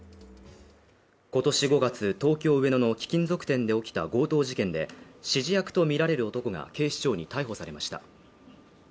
今年５月、東京上野の貴金属店で起きた強盗事件で、指示役とみられる男が警視庁に逮捕されました。